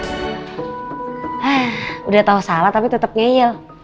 sudah tahu salah tapi tetap ngeyel